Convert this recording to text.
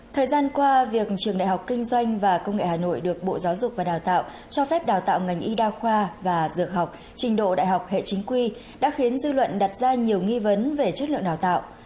thời gian qua việc trường đại học kinh doanh và công nghệ hà nội được bộ giáo dục và đào tạo cho phép đào tạo ngành y đa khoa và dược học trình độ đại học hệ chính quy đã khiến dư luận đặt ra nhiều nghi vấn về chất lượng đào tạo